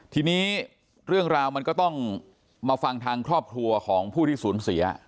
ทีนี้เรื่องราวมันก็ต้องมาฟังทางครอบครัวของผู้ที่สูญเสีย